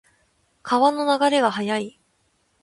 川の流れが速い。